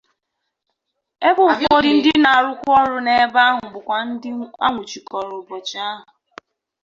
ebe ụfọdụ ndị na-arụkwa ọrụ n'ebe ahụ bụkwa ndị a nwụchikọrọ ụbọchị ahụ